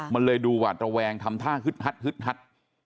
มันเลยดูว่าตระแวงทำท่าฮึดฮัดฮึดฮัด